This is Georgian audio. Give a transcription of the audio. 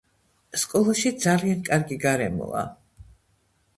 სკოლაში ძალიან კარგი გარემოა